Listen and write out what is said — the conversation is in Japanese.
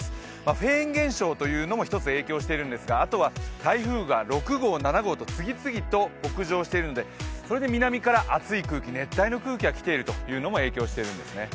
フェーン現象というのも一つ、影響しているんですがあとは台風が６号、７号と次々と北上しているのでそれで南から熱い空気、熱帯の空気が来ているのも影響しているんですね。